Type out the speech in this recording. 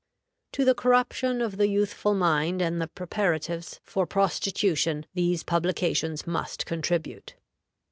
To the corruption of the youthful mind and the preparatives for prostitution these publications must contribute.